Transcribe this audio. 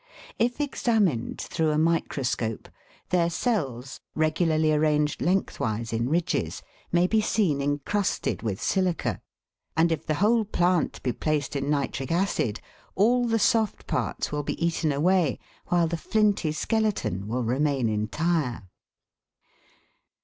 If examined through a microscope, their cells, regularly arranged lengthwise in ridges, may be seen encrusted with silica ; and if the whole plant be placed in nitric acid, all the soft parts will be eaten away, while the flinty skeleton will remain entire.